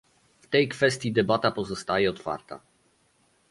W tej kwestii debata pozostaje otwarta